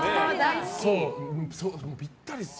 ぴったりですよ。